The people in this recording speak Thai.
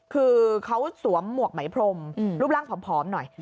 คือเขาสวมหมวกไหมพรมรูปร่างผอมหน่อย